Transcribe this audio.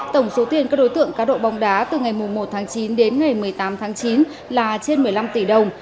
tổng số tiền các đối tượng cá độ bóng đá từ ngày một tháng chín đến ngày một mươi tám tháng chín là trên một mươi năm tỷ đồng